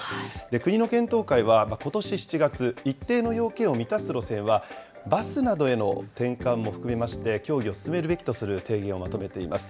国の検討会はことし７月、一定の要件を満たす路線は、バスなどへの転換も含めまして、協議を進めるべきとする提言をまとめています。